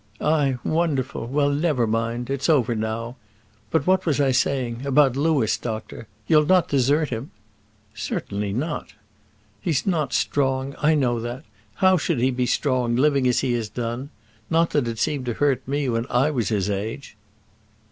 "Aye, wonderful! well, never mind. It's over now. But what was I saying? about Louis, doctor; you'll not desert him?" "Certainly not." "He's not strong; I know that. How should he be strong, living as he has done? Not that it seemed to hurt me when I was his age."